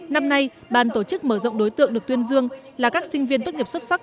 năm nay bàn tổ chức mở rộng đối tượng được tuyên dương là các sinh viên tốt nghiệp xuất sắc